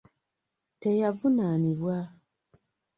Teyavunaanibwa.